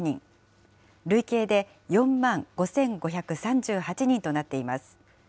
累計で４万５５３８人となっています。